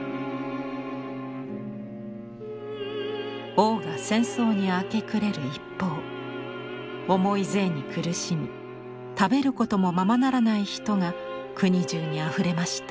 王が戦争に明け暮れる一方重い税に苦しみ食べることもままならない人が国中にあふれました。